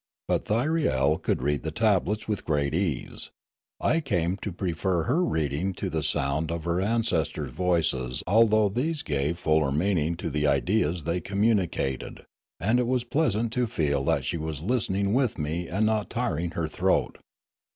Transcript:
But Thyriel could read the tablets with great ease; I came to prefer her reading to the sound of her an cestors' voices although these gave fuller meaning to the ideas they communicated, and it was pleasant to feel that she was listening with me and not tiring her throat.